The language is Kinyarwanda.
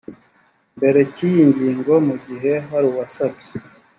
mbere cy iyi ngingo mu gihe hari uwasibye